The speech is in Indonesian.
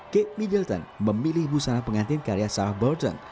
kate middleton memilih busana pengantin karya sarah burton